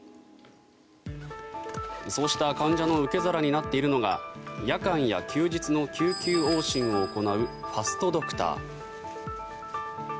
そうした患者の受け皿になっているのが夜間や休日の救急往診を行うファストドクター。